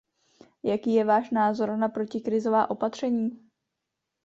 Jaký je váš názor na protikrizová opatření?